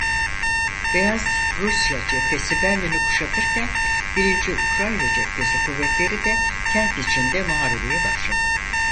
Beyaz Rusya Cephesi Berlin'i kuşatırken birinci Ukrayna Cephesi kuvvetleri de kent içinde muharebeye başladı.